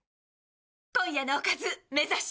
今夜のおかずめざし。